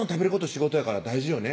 仕事やから大事よね